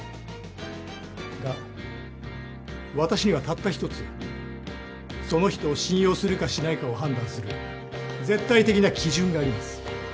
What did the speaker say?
が私にはたった一つその人を信用するかしないかを判断する絶対的な基準があります。